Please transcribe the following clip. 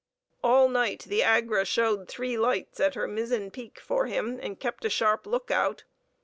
All night the Agra showed three lights at her mizzen peak for him, and kept a sharp lookout.